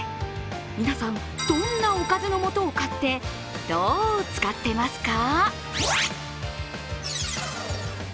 皆さん、どんなおかずの素を買って、どう使っていますか？